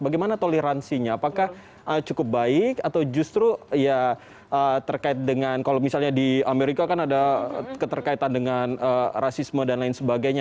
bagaimana toleransinya apakah cukup baik atau justru ya terkait dengan kalau misalnya di amerika kan ada keterkaitan dengan rasisme dan lain sebagainya